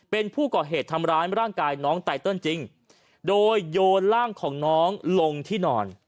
เป็นผู้ก่อเหตุทำร้ายร่างกายน้องไตเติลจริงโดยโยนร่างของน้องลงที่นอน